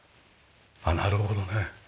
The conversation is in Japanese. なるほどね。